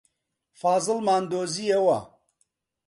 فازڵمان دۆزییەوە.